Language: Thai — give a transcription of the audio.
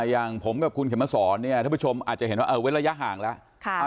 อย่างผมกับคุณเข็มมาสอนเนี่ยท่านผู้ชมอาจจะเห็นว่าเว้นระยะห่างแล้ว